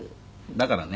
「だからね